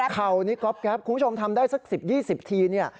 เข่านี่ก๊อบแก๊ปคุณผู้ชมทำได้สัก๑๐๒๐ทีเนี่ย